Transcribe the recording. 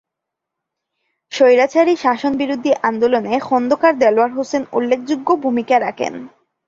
স্বৈরাচারী শাসন বিরোধী আন্দোলনে খোন্দকার দেলোয়ার হোসেন উল্লেখযোগ্য ভূমিকা রাখেন।